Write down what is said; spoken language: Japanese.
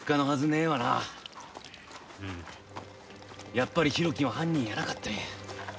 やっぱり浩喜は犯人やなかったんや。